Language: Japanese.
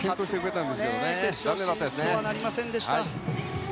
決勝進出とはなりませんでした。